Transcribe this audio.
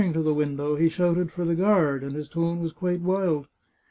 Rushing to the window, he shouted for the Guard, and his tone was quite wild.